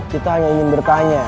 kita hanya ingin bertanya